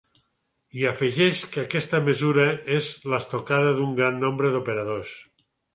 I afegeix que aquesta mesura és l’estocada d’un gran nombre d’operadors.